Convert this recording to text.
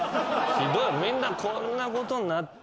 みんなこんなことになって。